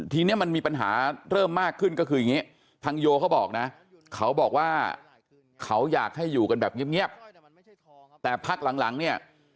ทีนี้มันมีปัญหาเริ่มมากขึ้นก็คืออย่างนี้ทางโยเขาบอกนะเขาบอกว่าเขาอยากให้อยู่กันแบบเงียบแต่พักหลังเนี่ย